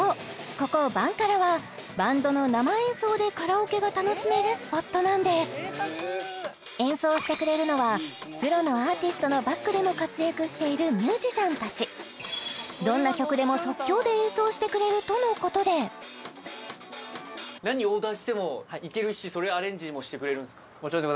ここＢＡＮ×ＫＡＲＡはバンドの生演奏でカラオケが楽しめるスポットなんです演奏してくれるのはプロのアーティストのバックでも活躍しているミュージシャンたちしてくれるとのことでそれをアレンジもしてくれるんですか？